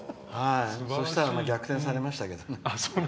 そしたら、逆転されましたけど。